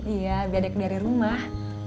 iya bedek dari rumah